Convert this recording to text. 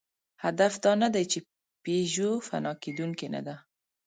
هدف دا نهدی، چې پيژو فنا کېدونکې نهده.